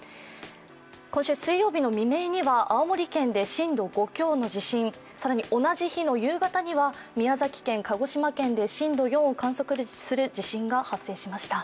今週水曜日の未明には青森県で震度５強の自信更に同じ日の夕方には宮崎県、鹿児島県で震度４を観測する地震が起きました。